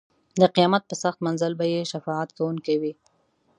د قیامت په سخت منزل به یې شفاعت کوونکی وي.